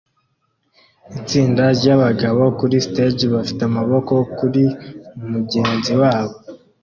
Itsinda ryabagabo kuri stage bafite amaboko kuri mugenzi wabo